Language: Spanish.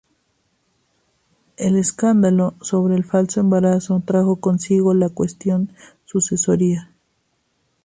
El escándalo sobre el falso embarazo trajo consigo la cuestión sucesoria.